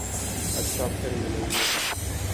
اچھا پھر ملیں گے۔